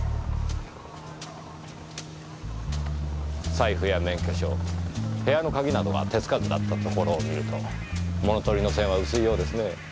財布や免許証部屋の鍵などは手つかずだったところを見ると物盗りの線は薄いようですね。